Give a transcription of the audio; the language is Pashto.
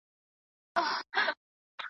څنګه ځوانان د واده کولو ازادي لري؟